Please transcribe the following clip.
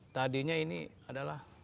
tadinya ini adalah kawasan hutan